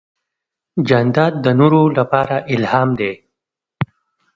جانداد د نورو لپاره الهام دی.